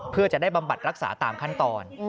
เพื่อจะได้บำบัดรักษาตามขั้นตอน